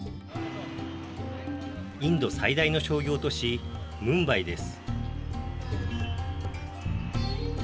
インド最大の商業都市ムンバイです。